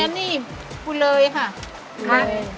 อันนี้ภูเลยค่ะ